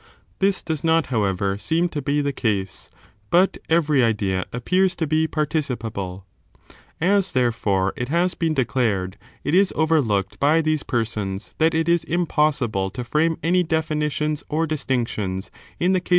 This does not, however, seem to be the case ; but every idea appears to be participable. As, therefore, it has been declared, it is over ^ j^^^ ^^^^ looked by these persons that it is impossible to finable proved frame any definitions or distinctions in the case ot'S^mi!